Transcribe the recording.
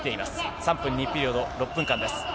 ３分２ピリオド、６分間です。